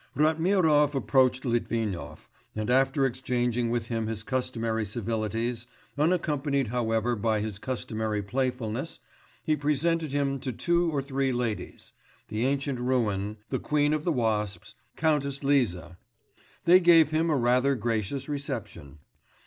Ratmirov approached Litvinov and after exchanging with him his customary civilities, unaccompanied however by his customary playfulness, he presented him to two or three ladies: the ancient ruin, the Queen of the Wasps, Countess Liza ... they gave him a rather gracious reception.